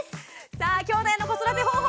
さあきょうだいの子育て方法